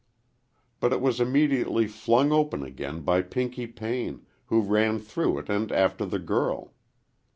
But it was immediately flung open again by Pinky Payne, who ran through it and after the girl.